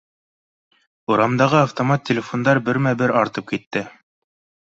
Урамдағы автомат телефондар бермә-бер артып китте